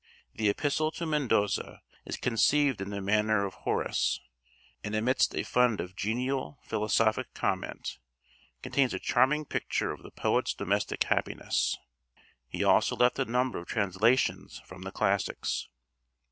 The 'Epistle to Mendoza' is conceived in the manner of Horace, and amidst a fund of genial philosophic comment, contains a charming picture of the poet's domestic happiness. He also left a number of translations from the classics.